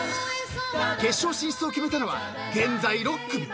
［決勝進出を決めたのは現在６組］